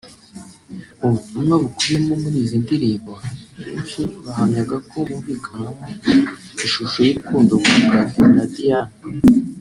Mu butumwa bukubiyemo muri izi ndirimbo benshi bahamyaga ko humvikanagamo ishusho y’urukundo rwa Platini na Diane